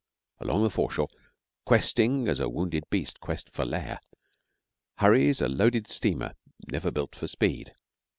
Along the foreshore, questing as a wounded beast quests for lair, hurries a loaded steamer never built for speed.